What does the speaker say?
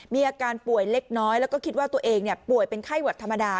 มีอาการป่วยเล็กน้อยแล้วก็คิดว่าตัวเองป่วยเป็นไข้หวัดธรรมดา